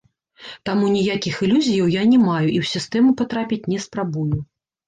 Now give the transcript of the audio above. Таму ніякіх ілюзіяў я не маю і ў сістэму патрапіць не спрабую.